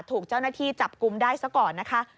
ถูกเจ้าหน้าที่จับกลุ่มได้ซะก่อนนะคะ